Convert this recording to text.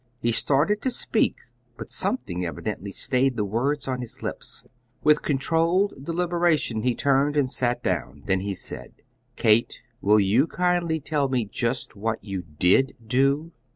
He started to speak, but something evidently stayed the words on his lips. With controlled deliberation he turned and sat down. Then he said: "Kate, will you kindly tell me just what you DID do?"